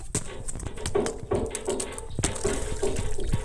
且无其他部首可用者将部首归为豆部。